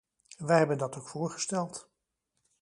Wij hebben dat ook voorgesteld.